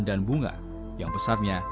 dan bunga yang besarnya